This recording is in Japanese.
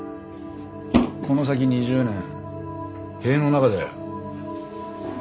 この先２０年塀の中だよ。